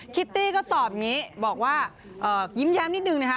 ิตตี้ก็ตอบอย่างนี้บอกว่ายิ้มแย้มนิดนึงนะคะ